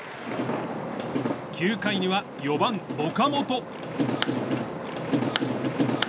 ９回には４番、岡本。